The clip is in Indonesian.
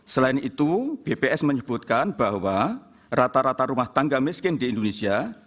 selain itu bps menyebutkan bahwa rata rata rumah tangga miskin di indonesia